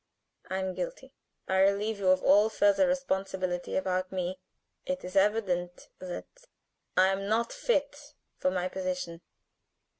I am guilty. I relieve you of all further responsibility about me. It is evident that I am not fit for my position.